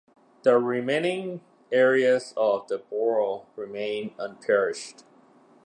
The remaining area of the borough remained unparished.